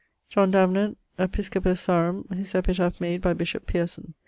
John Davenant, episcopus Sarum: his epitaph made by bishop Pierson.